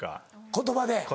言葉で。